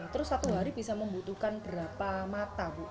terus satu hari bisa membutuhkan berapa mata bu